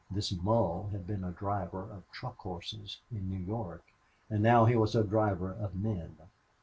This Mull had been a driver of truck horses in New York, and now he was a driver of men.